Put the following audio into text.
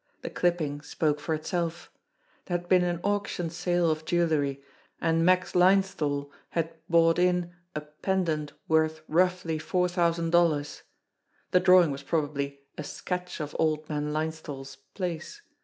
The clipping spoke for itself ; there had been an auction sale of jewellery, and Max Lines thai had bought in a pendant worth roughly four thousand dollars. The drawing was probably a sketch of old man Linesthal's place.